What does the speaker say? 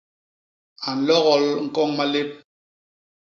A nlogol ñkoñ malép.